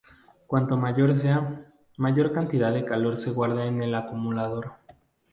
Cuanto mayor sea, mayor cantidad de calor se guarda en el acumulador.